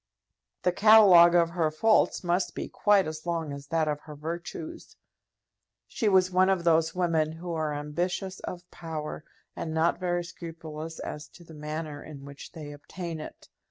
The catalogue of her faults must be quite as long as that of her virtues. She was one of those women who are ambitious of power, and not very scrupulous as to the manner in which they obtain it.